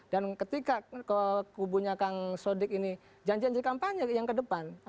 dan ketika kubunya kang sodyk ini janji janji kampanye yang ke depan